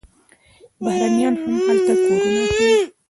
بهرنیان هم هلته کورونه اخلي.